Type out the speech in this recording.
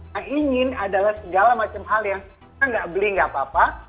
nah ingin adalah segala macam hal yang enggak beli enggak apa apa